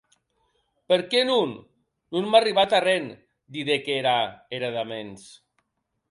Per qué non?, non m'a arribat arren, didec era heredaments.